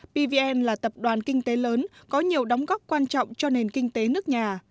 pvn là tập đoàn kinh tế lớn có nhiều đóng góp quan trọng cho nền kinh tế nước nhà